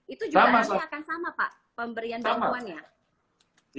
itu juga nanti akan sama pak pemberian bantuan ya